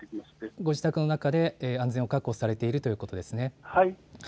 ご自宅の中で安全を確保されているということですね。